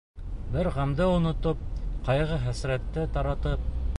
Бар ғәмде онотоп, ҡайғы-хәсрәтте таратып...